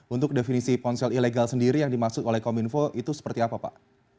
untuk definisi ponsel ilegal sendiri yang dimaksud oleh kominfo itu seperti apa pak